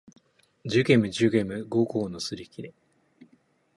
寿限無寿限無五劫のすりきれ